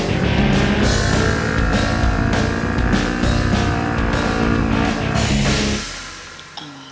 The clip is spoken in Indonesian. apcenya seseorang rumah